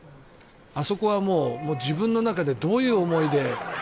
あそこはもう自分の中でどういう思いで。